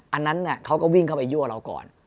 อันนั้นเขาก็วิ่งเข้าไปยั่วเราก่อน